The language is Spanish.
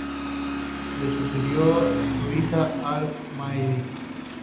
Le sucedió su hijo Al-Mahdi.